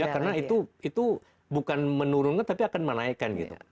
karena itu bukan menurunkan tapi akan menaikkan